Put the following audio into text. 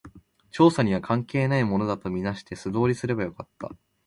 調査には関係ないものだと見なして、素通りすればよかった